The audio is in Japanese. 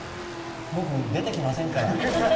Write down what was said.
僕、出てきませんから。